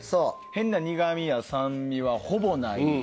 変な苦味や酸味はほぼない。